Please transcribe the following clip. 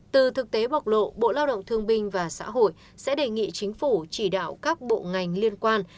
từ thực tế bộc lộ bộ lao động thương binh và xã hội sẽ đề nghị chính phủ chỉ đạo các bộ ngành liên quan